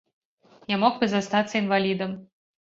Я мог бы застацца інвалідам.